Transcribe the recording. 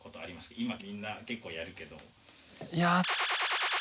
今みんな結構やるけど。